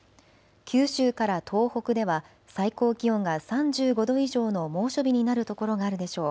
九州から東北では最高気温が３５度以上の猛暑日になる所があるでしょう。